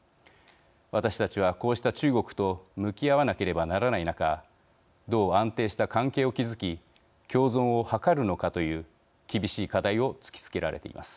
私たちは、こうした中国と向き合わなければならない中どう安定した関係を築き共存を図るのかという厳しい課題を突きつけられています。